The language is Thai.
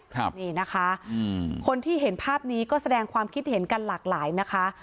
ครับนี่นะคะอืมคนที่เห็นภาพนี้ก็แสดงความคิดเห็นกันหลากหลายนะคะ